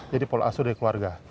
jadi pola asuh dari keluarga